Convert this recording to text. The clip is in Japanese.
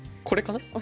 これかな？